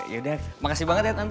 yaudah makasih banget ya tante